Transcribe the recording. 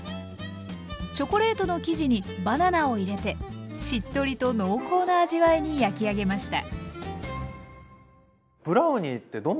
チョコレートの生地にバナナを入れてしっとりと濃厚な味わいに焼き上げました。